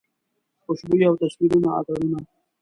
خوشبويي او تصویرونه اتڼونه